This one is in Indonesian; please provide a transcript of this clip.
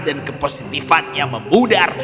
dan kepositifan yang memudar